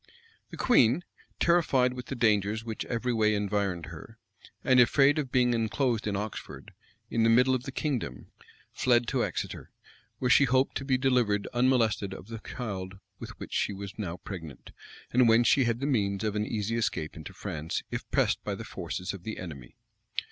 The queen, terrified with the dangers which every way environed her, and afraid of being enclosed in Oxford, in the middle of the kingdom, fled to Exeter, where she hoped to be delivered unmolested of the child with which she was now pregnant, and whence she had the means of an easy escape into France, if pressed by the forces of the enemy.